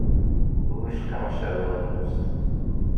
Wicqa ma ceεleɣ lpusṭ?